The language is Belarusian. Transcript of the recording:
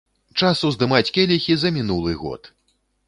Час уздымаць келіхі за мінулы год.